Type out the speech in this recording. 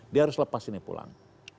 dia harus lepas ini pulang